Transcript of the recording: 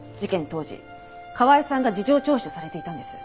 当時川井さんが事情聴取されていたんです。